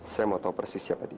saya mau tahu persis siapa dia